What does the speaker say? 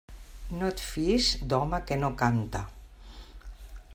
No et fies d'home que no cante.